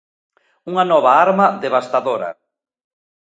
Unha nova arma devastadora.